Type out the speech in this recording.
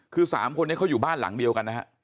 คือ๓คนนี้เขาอยู่บ้านหลังเดียวกันนะฮะ